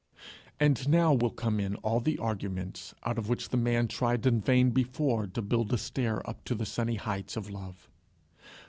And now will come in all the arguments out of which the man tried in vain before to build a stair up to the sunny heights of love.